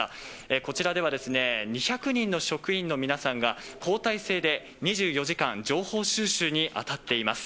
こちらでは２００人の職員の皆さんが、交代制で２４時間、情報収集に当たっています。